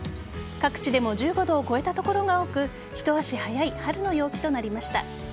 各地でも１５度を超えた所が多くひと足早い春の陽気となりました。